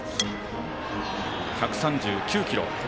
１３９キロ。